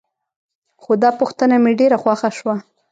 خو دا پوښتنه مې ډېره خوښه شوه.